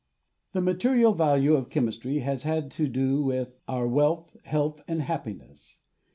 The material value of chemistry has had to do with our wealth, health and happiness.